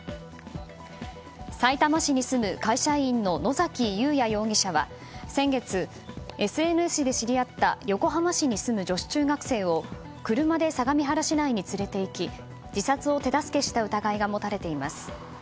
さいたま市に住む会社員の野崎祐也容疑者は先月、ＳＮＳで知り合った横浜市に住む女子中学生を車で相模原市内に連れていき自殺を手助けした疑いが持たれています。